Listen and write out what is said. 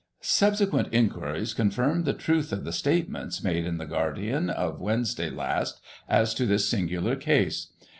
— "Subsequent inquiries confirm the truth of the statements made in the Guardian of Wednesday last, as to this singular case.